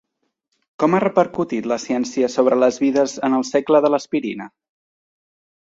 Com ha repercutit la ciència sobre les vides en el segle de l’aspirina?